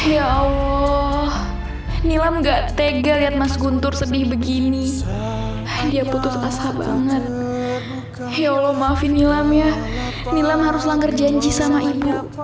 ya allah nilam gak tega lihat mas guntur sedih begini dia putus asa banget ya allah maafin nilam ya nilam harus langgar janji sama ibu